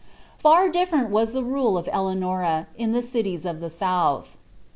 Far difierent was the rule of Eleanora, in the cities of the south.